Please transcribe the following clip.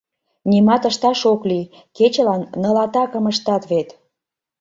— Нимат ышташ ок лий: кечылан ныл атакым ыштат вет!